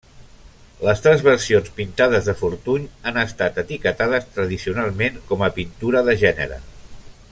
Les tres versions pintades de Fortuny han estat etiquetades tradicionalment com a pintura de gènere.